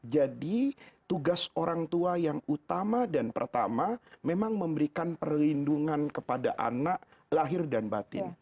jadi tugas orang tua yang utama dan pertama memang memberikan perlindungan kepada anak lahir dan batin